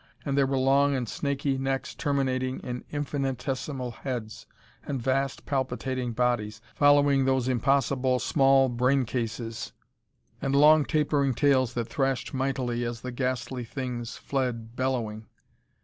And there were long and snaky necks terminating in infinitesimal heads, and vast palpitating bodies following those impossible small brain cases, and long tapering tails that thrashed mightily as the ghastly things fled bellowing....